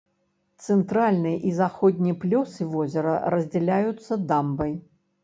Цэнтральны і заходні плёсы возера раздзяляюцца дамбай.